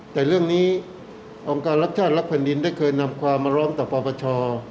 แต่เรื่องนี้องค์การรักชาติรักแผ่นดินได้เคยนำความมาร้องต่อปปช